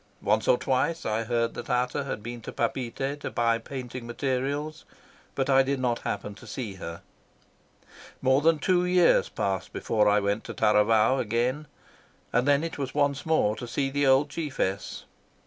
Once or twice I heard that Ata had been to Papeete to buy painting materials, but I did not happen to see her. More than two years passed before I went to Taravao again, and then it was once more to see the old chiefess.